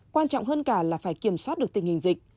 quan trọng hơn cả là phải kiểm soát được tình hình dịch